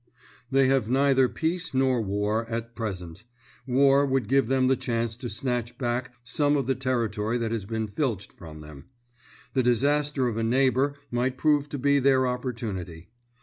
They have neither peace nor war at present; war would give them the chance to snatch back some of the territory that has been filched from them. The disaster of a neighbour might prove to be their opportunity.